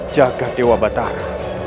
jaga dewa batara